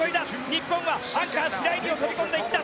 日本はアンカー、白井璃緒飛び込んでいった。